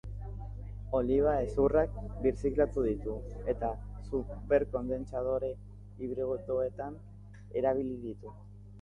Oliba hezurrak birziklatu ditu, eta super-kondentsadore hibridoetan erabili ditu.